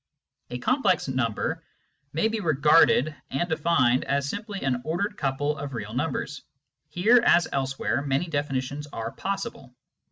A complex number may be regarded and defined as simply an ordered couple of real numbers. Here, as elsewhere, many definitions are possible.